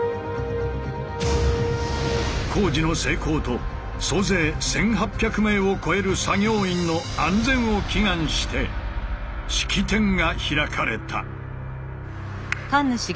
工事の成功と総勢１，８００名を超える作業員の安全を祈願して式典が開かれた。